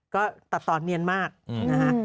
ก็ตัดตอนเนียนมากนะฮะ